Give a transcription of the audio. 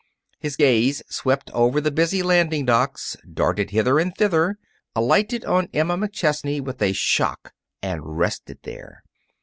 His gaze swept over the busy landing docks, darted hither and thither, alighted on Emma McChesney with a shock, and rested there.